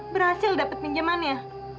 berhasil dapat pinjamannya